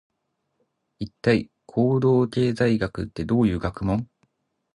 一体、行動経済学ってどういう学問？